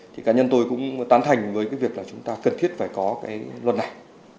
thì cá nhân tôi cũng tán thành với cái việc là chúng ta cần thiết phải có cái luật này